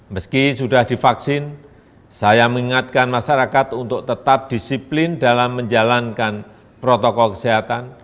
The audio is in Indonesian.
meski sudah divaksin saya mengingatkan masyarakat untuk tetap disiplin dalam menjalankan protokol kesehatan